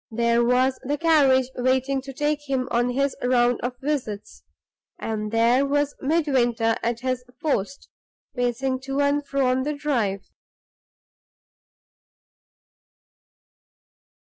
There was the carriage waiting to take him on his round of visits; and there was Midwinter at his post, pacing to and fro on the drive.